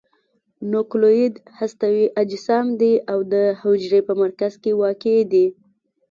نوکلوئید هستوي اجسام دي او د حجرې په مرکز کې واقع دي.